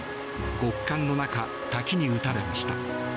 極寒の中、滝に打たれました。